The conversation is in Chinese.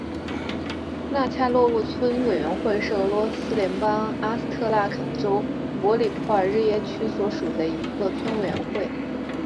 纳恰洛沃村委员会是俄罗斯联邦阿斯特拉罕州普里沃尔日耶区所属的一个村委员会。